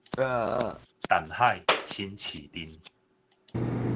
淡海新市鎮